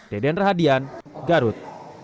deden rahadian garut